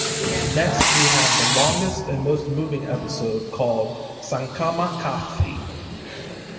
Next we have the longest and most moving episode called 'Sankamma kathe'.